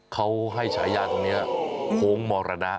เขาให้ใช้อย่างนี้โค้งหมอระดะ